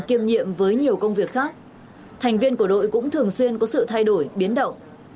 kiêm nhiệm với nhiều công việc khác thành viên của đội cũng thường xuyên có sự thay đổi biến động